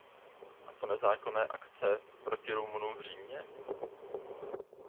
A co nezákonné akce proti Rumunům v Římě?